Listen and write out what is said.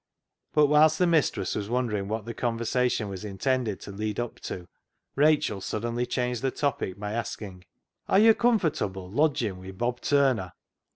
But whilst the mistress was wondering what the conversation was intended to lead up to, Rachel suddenly changed the topic by asking —" Are yo' comfortable, lodging wi' Bob Turner